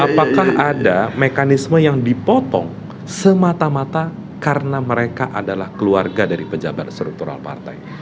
apakah ada mekanisme yang dipotong semata mata karena mereka adalah keluarga dari pejabat struktural partai